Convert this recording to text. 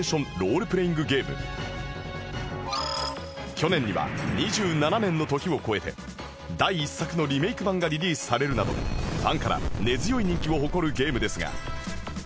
去年には２７年の時を越えて第一作のリメイク版がリリースされるなどファンから根強い人気を誇るゲームですが